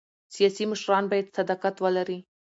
سیاسي مشران باید صداقت ولري